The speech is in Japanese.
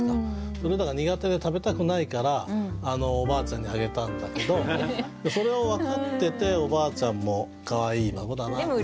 それだから苦手で食べたくないからおばあちゃんにあげたんだけどそれを分かってておばあちゃんもかわいい孫だなっていうね。